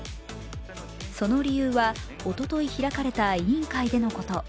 その理由はおととい開かれた委員会でのこと。